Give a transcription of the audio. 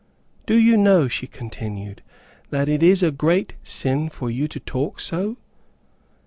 "Do you know," she continued, "that it is a great sin for you to talk so?"